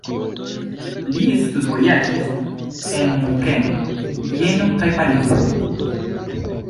Li studvojaĝis en Munkeno, Vieno kaj Parizo.